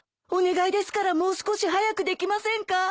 お願いですからもう少し早くできませんか？